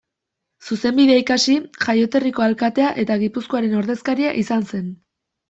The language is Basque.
Zuzenbidea ikasi, jaioterriko alkatea eta Gipuzkoaren ordezkaria izan zen.